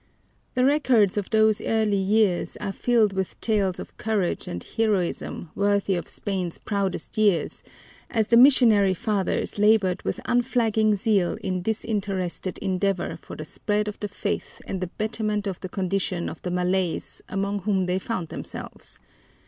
The records of those early years are filled with tales of courage and heroism worthy of Spain's proudest years, as the missionary fathers labored with unflagging zeal in disinterested endeavor for the spread of the Faith and the betterment of the condition of the Malays among whom they found themselves.